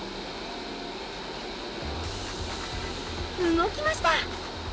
動きました！